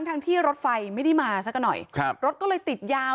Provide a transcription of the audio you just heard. ทั้งที่รถไฟไม่ได้มาสักหน่อยครับรถก็เลยติดยาว